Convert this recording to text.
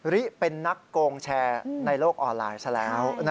ริเป็นนักโกงแชร์ในโลกออนไลน์ซะแล้ว